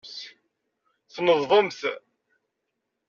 Tneḍbemt.